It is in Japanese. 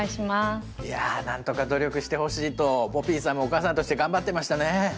いやあなんとか努力してほしいとポピーさんもお母さんとして頑張ってましたね。